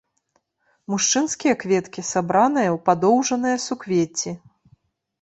Мужчынскія кветкі сабраныя ў падоўжаныя суквецці.